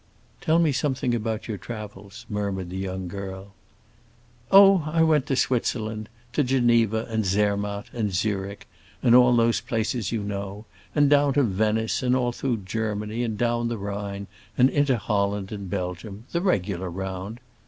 "Tell me something about your travels," murmured the young girl. "Oh, I went to Switzerland,—to Geneva and Zermatt and Zürich and all those places you know; and down to Venice, and all through Germany, and down the Rhine, and into Holland and Belgium—the regular round.